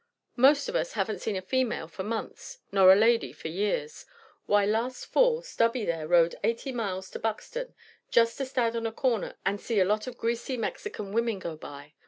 Most of us haven't seen a female for months, nor a lady for years. Why, last fall Stubby there rode eighty miles to Buxton, just to stand on a corner and see a lot of greasy Mexican women go by.